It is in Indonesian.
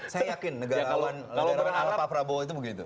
saya yakin negara awan negara awan ala pak prabowo itu begitu